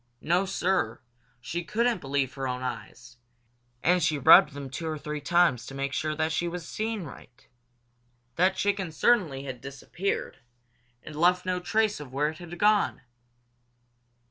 No, Sir, she couldn't believe her own eyes, and she rubbed them two or three times to make sure that she was seeing right. That chicken certainly had disappeared, and left no trace of where it had gone.